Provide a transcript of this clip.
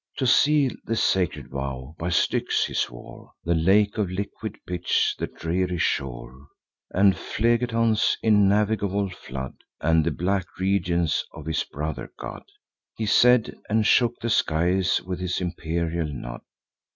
To seal his sacred vow, by Styx he swore, The lake of liquid pitch, the dreary shore, And Phlegethon's innavigable flood, And the black regions of his brother god. He said; and shook the skies with his imperial nod.